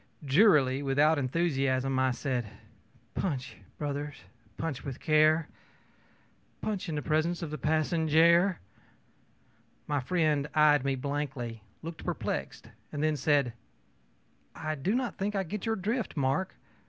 ö Drearily, without enthusiasm, I said: ōPunch brothers, punch with care! Punch in the presence of the passenjare!ö My friend eyed me blankly, looked perplexed, then said: ōI do not think I get your drift, Mark.